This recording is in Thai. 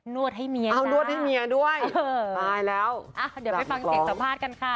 นวดให้เมียจ้าเอ้านวดให้เมียด้วยไปแล้วหลับมาร้องอ่ะเดี๋ยวไปฟังอีกสัมภาษณ์กันค่ะ